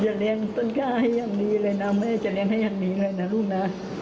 เลี้ยงต้นกล้าให้อย่างดีเลยนะแม่จะเลี้ยงให้อย่างนี้เลยนะลูกนะ